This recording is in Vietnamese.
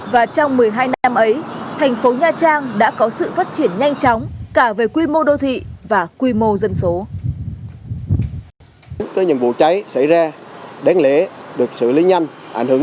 và trong một mươi hai năm ấy thành phố nha trang đã có sự phát triển nhanh chóng cả về quy mô đô thị và quy mô dân số